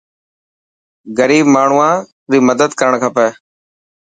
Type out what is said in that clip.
غريب ماڻهوان ري مدد ڪرڻ کپي.